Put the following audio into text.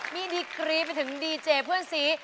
มีดีกรีไปถึงดีเจเพื่อนซี